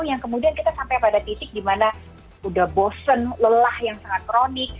yang kemudian kita sampai pada titik di mana sudah bosen lelah yang sangat kronik